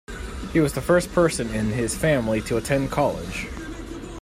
He was the first person in his family to attend college.